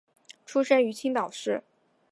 出生于青岛市。